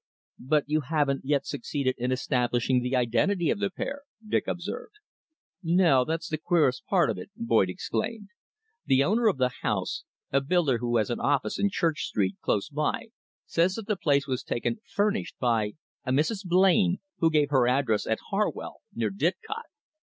"But you haven't yet succeeded in establishing the identity of the pair," Dick observed. "No. That's the queerest part of it," Boyd exclaimed. "The owner of the house, a builder who has an office in Church Street, close by, says that the place was taken furnished by a Mrs. Blain, who gave her address at Harwell, near Didcot.